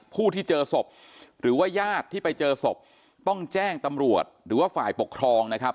ผู้ที่เจอศพหรือว่าญาติที่ไปเจอศพต้องแจ้งตำรวจหรือว่าฝ่ายปกครองนะครับ